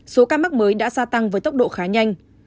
số ca mắc mới đã gia tăng với tốc độ khá nhanh